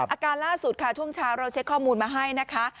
อาการล่าสุดค่ะช่วงเช้าเราเช็คข้อมูลมาให้นะคะ